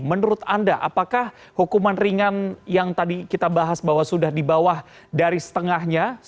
menurut anda apakah hukuman ringan yang tadi kita bahas bahwa sudah di bawah dari setengahnya